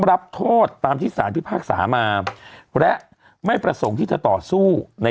รับโทษตามที่สารพิพากษามาและไม่ประสงค์ที่จะต่อสู้ใน